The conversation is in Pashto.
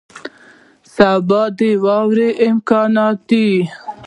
سبا د واورې امکان دی